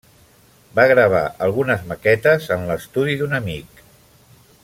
Va gravar algunes maquetes en l'estudi d'un amic.